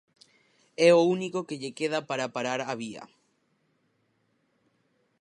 É o único que lle queda para parar a vía.